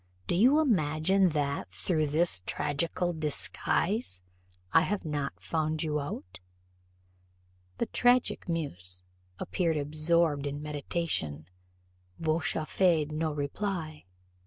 Do you imagine that, through this tragical disguise, I have not found you out?" The tragic muse, apparently absorbed in meditation, vouchsafed no reply.